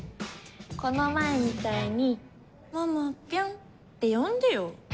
この前みたいに「桃ピョン」って呼んでよ。